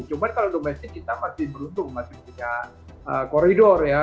cuma kalau domestik kita masih beruntung masih punya koridor ya